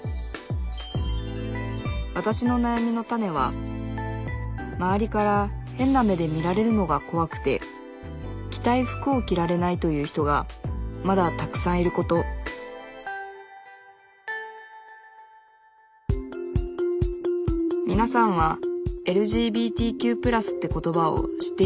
わたしのなやみのタネは周りから変な目で見られるのが怖くて着たい服を着られないという人がまだたくさんいることみなさんは「ＬＧＢＴＱ＋」って言葉を知っていますか？